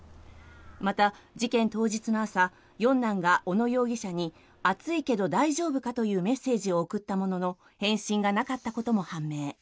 また、事件当日の朝４男が小野容疑者に暑いけど大丈夫かというメッセージを送ったものの返信がなかったことも判明。